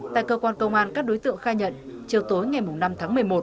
tại cơ quan công an các đối tượng khai nhận chiều tối ngày năm tháng một mươi một